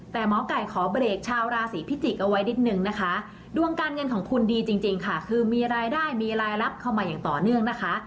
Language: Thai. แต่หมอไก่ขอเบรกชาวราศีพิจิกษ์เอาไว้นิดนึงนะคะดวงการเงินของคุณดีจริงค่ะคือมีรายได้มีรายรับเข้ามาอย่างต่อเนื่องนะคะ